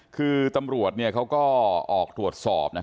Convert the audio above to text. คือตำรวจเขาก็ออกตรวจสอบ